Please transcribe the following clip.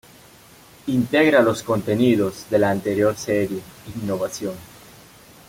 Integra los contenidos de la anterior serie "Innovación".